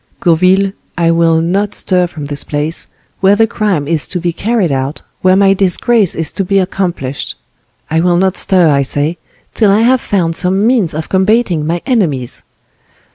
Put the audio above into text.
"Gourville, I will not stir from this place, where the crime is to be carried out, where my disgrace is to be accomplished; I will not stir, I say, till I have found some means of combating my enemies."